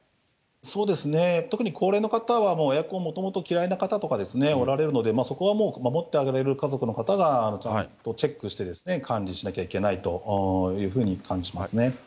そうですね、特に、高齢の方はもう、エアコンもともと嫌いな方とかおられるので、そこはもう、守ってあげれる家族の方がちゃんとチェックして管理しなきゃいけないというふうに感じますね。